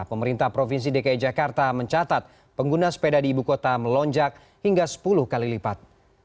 pemerintah provinsi dki jakarta mencatat pengguna sepeda di ibu kota melonjak hingga sepuluh kali lipat